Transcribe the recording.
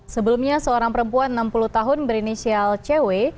sebelumnya seorang perempuan enam puluh tahun berinisial cw